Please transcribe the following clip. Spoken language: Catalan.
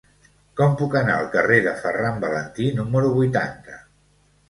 Com puc anar al carrer de Ferran Valentí número vuitanta?